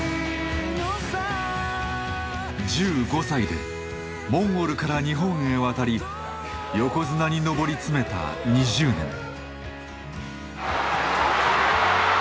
１５歳でモンゴルから日本へ渡り横綱に上り詰めた２０年。